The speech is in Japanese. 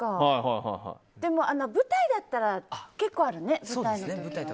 でも、舞台だったら結構あるね。